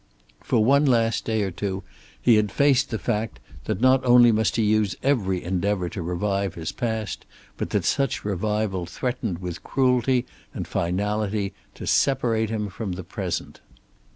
For the last day or two he had faced the fact that, not only must he use every endeavor to revive his past, but that such revival threatened with cruelty and finality to separate him from the present.